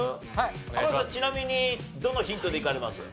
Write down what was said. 浜野さんちなみにどのヒントでいかれます？